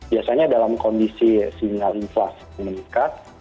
biasanya dalam kondisi sinyal inflasi meningkat